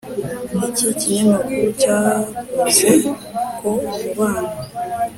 iki kinyamakuru cyavuze ko umubano